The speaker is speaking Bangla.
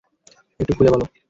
একটু খুলে বলো।